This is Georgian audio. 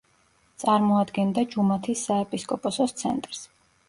წარმოადგენდა ჯუმათის საეპისკოპოსოს ცენტრს.